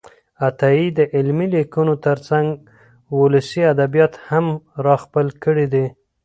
عطايي د علمي لیکنو ترڅنګ ولسي ادبیات هم راخپل کړي دي.